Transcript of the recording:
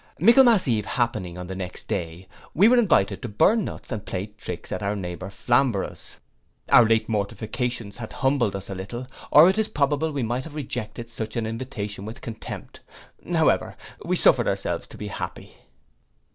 Michaelmas eve happening on the next day, we were invited to burn nuts and play tricks at neighbour Flamborough's. Our late mortifications had humbled us a little, or it is probable we might have rejected such an invitation with contempt: however, we suffered ourselves to be happy.